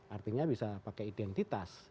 artinya bisa pakai identitas